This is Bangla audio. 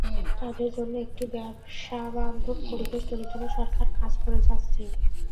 তাঁদের জন্য একটি ব্যবসাবান্ধব পরিবেশ তৈরির জন্য সরকার কাজ করে যাচ্ছে।